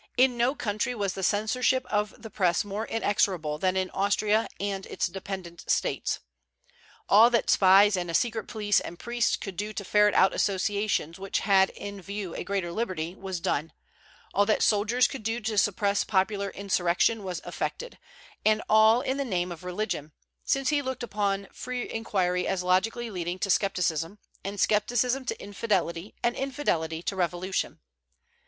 In no country was the censorship of the Press more inexorable than in Austria and its dependent States. All that spies and a secret police and priests could do to ferret out associations which had in view a greater liberty, was done; all that soldiers could do to suppress popular insurrection was effected, and all in the name of religion, since he looked upon free inquiry as logically leading to scepticism, and scepticism to infidelity, and infidelity to revolution.